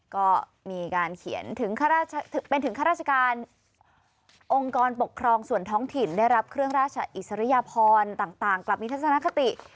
ก็มีการเขียนถึงเป็นถึงข้าราชการองค์กรปกครองส่วนท้องถิ่นได้รับเครื่องราชอิสริยพรต่างกลับมีทัศนคติ